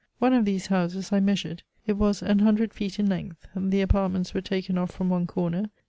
One of these houses I measured. It was an hundred feet in length. The apartments were taken off from one corner.